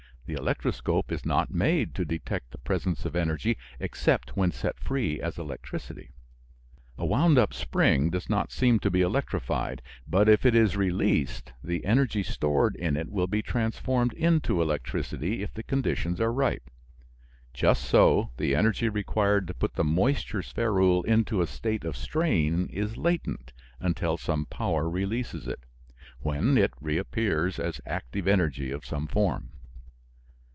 The electroscope is not made to detect the presence of energy except when set free as electricity. A wound up spring does not seem to be electrified, but if it is released the energy stored in it will be transformed into electricity if the conditions are right. Just so, the energy required to put the moisture spherule into a state of strain is latent until some power releases it, when it reappears as active energy of some form.